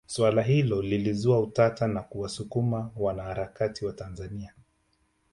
Swala hilo lilizua utata na kuwasukuma wanaharakati wa Tanzania